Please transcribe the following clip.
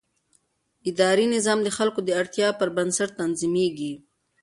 اداري نظام د خلکو د اړتیاوو پر بنسټ تنظیمېږي.